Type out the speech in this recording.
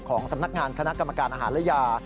สำนักงานคณะกรรมการอาหารและยา